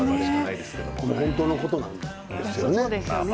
本当のことなんですよね。